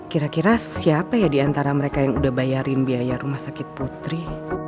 kira kira siapa ya diantara mereka yang udah bayarin biaya rumah sakit putri